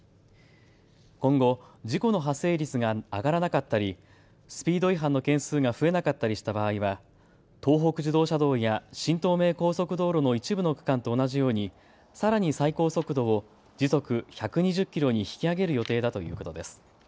今後、事故の発生率が上がらなかったりスピード違反の件数が増えなかったりした場合は東北自動車道や新東名高速道路の一部の区間と同じようにさらに最高速度を時速１２０キロに引き上げる予定だということです。